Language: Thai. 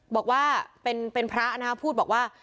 บอกว่าเป็นพระนะครับพูดบอกว่า